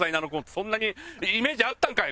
そんなにイメージあったんかい！